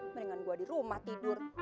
mendingan gue di rumah tidur